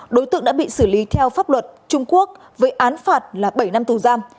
đối tượng đã bị xử lý theo pháp luật trung quốc với án phạt là bảy năm tù giam